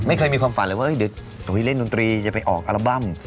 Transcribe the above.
ไม่เคยมีความฝันเลยว่าเดี๋ยวเล่นดนตรีจะไปออกอัลบั้ม